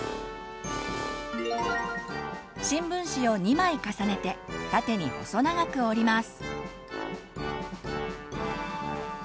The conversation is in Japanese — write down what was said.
新聞紙を２枚重ねて縦に細長く折ります。